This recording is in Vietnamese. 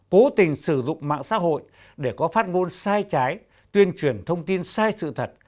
cố tình sử dụng mạng xã hội để có phát ngôn sai trái tuyên truyền thông tin sai sự thật